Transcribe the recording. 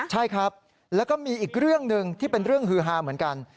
ใช่ครับแล้วก็มีอีกเรื่องหนึ่งที่เป็นเรื่องฮือฮาเหมือนกัน